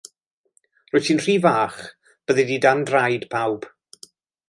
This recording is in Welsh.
Rwyt ti'n rhy fach, byddi di dan draed pawb.